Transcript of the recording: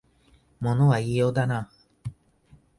物は言いようだなあ